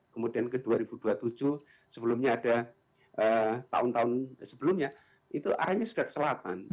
kemudian ke dua ribu dua puluh tujuh sebelumnya ada tahun tahun sebelumnya itu arahnya sudah ke selatan